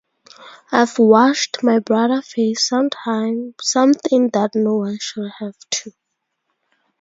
I’ve watched my brother face something that no one should have to.